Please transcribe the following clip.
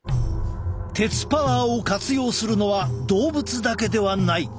鉄パワーを活用するのは動物だけではない。